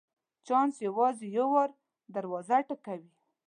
چانس یوازي یو وار دروازه ټکوي .